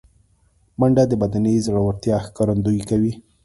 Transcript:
منډه د بدني زړورتیا ښکارندویي کوي